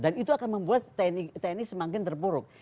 dan itu akan membuat tni semakin terpuruk